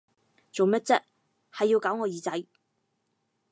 做咩啫，係要搞我耳仔！